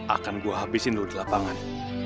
akan gua habisin lu di lapangan